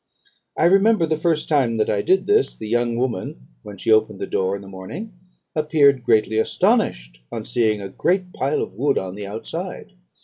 "I remember, the first time that I did this, the young woman, when she opened the door in the morning, appeared greatly astonished on seeing a great pile of wood on the outside.